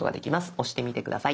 押してみて下さい。